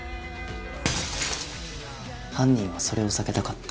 犯人はそれを避けたかった。